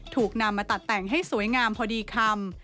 ถูกนำมาตัดแต่งให้สวยงามพอดีคำ